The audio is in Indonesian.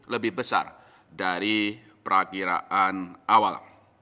lebih besar dari perakiraan awal